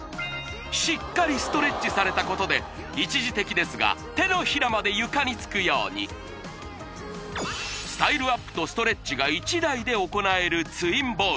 しっかりストレッチされたことで一時的ですが手のひらまで床につくようにスタイルアップとストレッチが１台で行えるツインボール